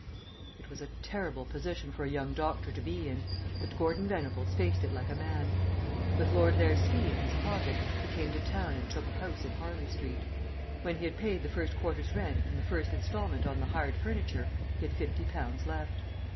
It was a terrible position for a young doctor to be in, but Gordon Venables faced it like a man. With Lord Lair's fee in his pocket he came to town and took a house in Harley Street. When he had paid the first quarter's rent and the first instalment on the hired furniture, he had fifty pounds left.